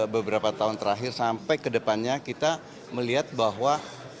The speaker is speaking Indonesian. beberapa tahun terakhir sampai ke depannya kita melihat bahwa